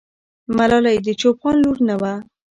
ملالۍ د چوپان لور نه وه.